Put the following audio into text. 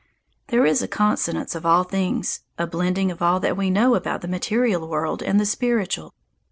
There is a consonance of all things, a blending of all that we know about the material world and the spiritual.